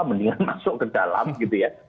mendingan masuk ke dalam gitu ya